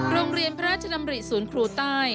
โรงเรียนพระราชดำริศูนย์ครูใต้